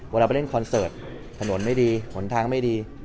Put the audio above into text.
เวลาไปเล่นคอนเสิร์ตถนนไม่ดีหนทางไม่ดี